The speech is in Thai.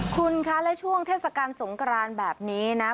คุณคะและช่วงเทศกาลสงกรานแบบนี้นะ